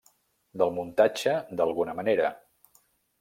Del muntatge d'alguna manera.